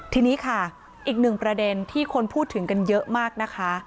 ทีนี้ค่ะอีกหนึ่งประเด็นที่คนพูดถึงกันเยอะมากนะคะ